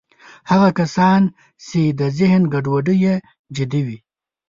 هغه کسان چې د ذهن ګډوډۍ یې جدي وي